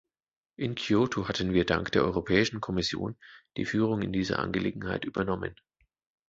In Kyoto hatten wir dank der Europäischen Kommission die Führung in dieser Angelegenheit übernommen.